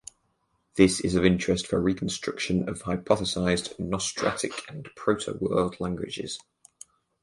This is of interest for reconstruction of hypothesized nostratic and proto-world languages.